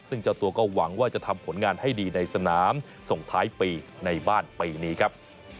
ซึ่งเจ้าตัวก็หวังว่าจะทำผลงานให้ดีในสนามส่งท้ายปีในบ้านปีนี้ครับ